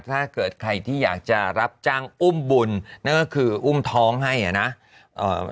ถ้าเกิดใครที่อยากจะรับจ้างอุ้มบุญนั่นก็คืออุ้มท้องให้อ่ะนะเอ่อ